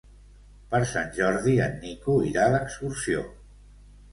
Per Sant Jordi en Nico irà d'excursió.